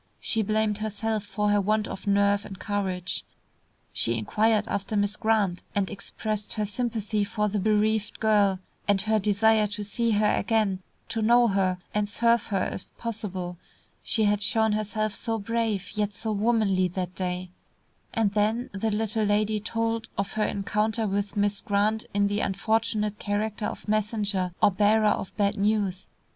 She blamed herself for her want of nerve and courage. She inquired after Miss Grant and expressed her sympathy for the bereaved girl, and her desire to see her again, to know her, and serve her if possible; she had shown herself so brave, yet so womanly that day and then the little lady told of her encounter with Miss Grant in the unfortunate character of messenger or bearer of bad news.